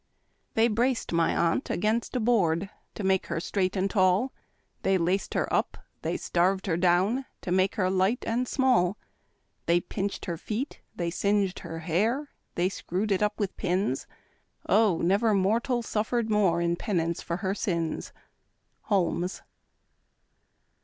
They braced my aunt against a board, To make her straight and tall ; They laced her up, they starved her down, To make her light and small ; They pinched her feet, they singed her hair, They screwed it np with pins; — Oh, never mortal snifered more In penance for her sins. Holmes.